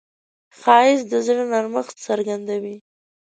ښایست د زړه نرمښت څرګندوي